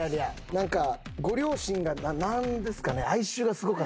なんかご両親がなんですかね。